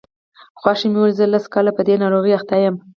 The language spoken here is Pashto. خواښې مې وویل زه لس کاله په دې ناروغۍ اخته یم.